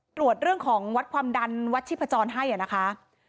ตรวจเรื่องของวัดความดันวัดชีพจรให้นะคะ